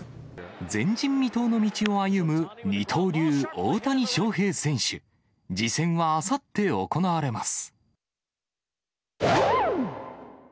前人未到の道を歩む二刀流、大谷翔平選手、次戦はあさって行われます。